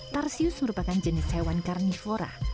tarsius merupakan jenis hewan karnivora